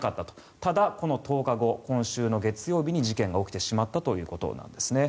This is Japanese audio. ただこの１０日後、今週月曜日に事件が起きてしまったということなんですね。